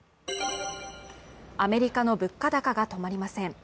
アメリカの物価高が止まりません。